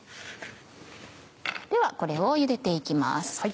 ではこれをゆでて行きます。